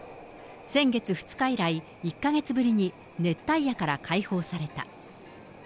先月２日以来、１か月ぶりに熱帯夜から解放された。